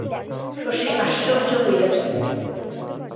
শশী আশ্চর্য হইয়া যায়।